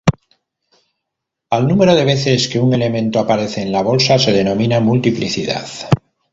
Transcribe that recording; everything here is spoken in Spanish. Al número de veces que un elemento aparece en la bolsa se denomina multiplicidad.